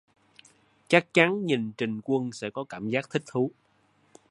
Chắc chắn nhìn trình quân sẽ có cảm giác thích thú